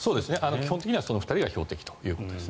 基本的にはその２人が標的ということです。